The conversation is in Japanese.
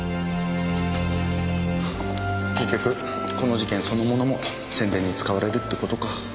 結局この事件そのものも宣伝に使われるってことか。